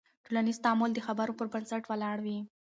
ټولنیز تعامل د خبرو پر بنسټ ولاړ وي.